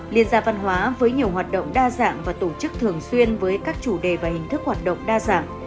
liên gia văn hóa với nhiều hoạt động đa dạng và tổ chức thường xuyên với các chủ đề và hình thức hoạt động đa dạng